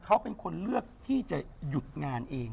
เขาเป็นคนเลือกที่จะหยุดงานเอง